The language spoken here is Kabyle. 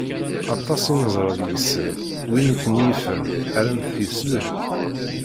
Aṭas i neẓra deg-sen, win ten-yifen rran-t yesleb